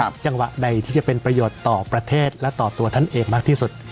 จังหวะใดที่จะเป็นประโยชน์ต่อประเทศและต่อตัวท่านเองมากที่สุด